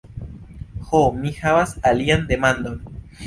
Ho, mi havas alian demandon.